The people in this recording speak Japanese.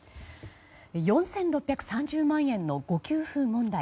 ４６３０万円の誤給付問題。